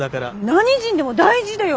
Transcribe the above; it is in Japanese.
何人でも大事だよ